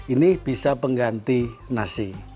ini bisa pengganti nasi